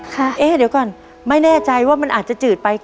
เอ๊ะเดี๋ยวก่อนไม่แน่ใจว่ามันอาจจะจืดไป